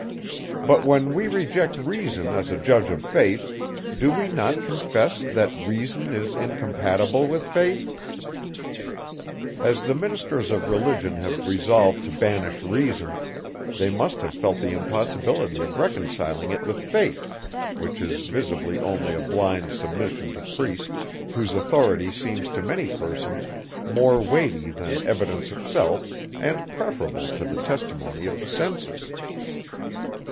But when we reject reason as a judge of faith, do we not confess, that reason is incompatible with faith? As the ministers of religion have resolved to banish reason, they must have felt the impossibility of reconciling it with faith, which is visibly only a blind submission to priests, whose authority seems to many persons more weighty than evidence itself, and preferable to the testimony of the senses.